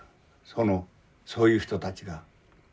そのそういう人たちが。